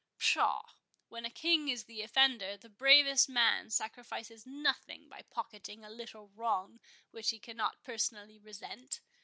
Pshaw! when a King is the offender, the bravest man sacrifices nothing by pocketing a little wrong which he cannot personally resent.